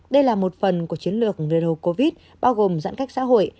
đây là một phần của chiến lược covid một mươi chín bao gồm giãn cách xã hội